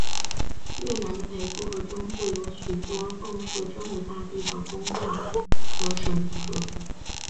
越南的北部和中部有许多奉祀真武大帝的宫观和神祠。